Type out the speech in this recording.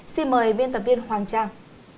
xin mời biên tập viên hoàng trang